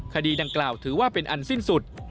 คดีดังกล่าวถือว่าเป็นอันสิ้นสุด